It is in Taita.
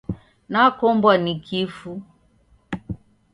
Nakombwa ni kifu.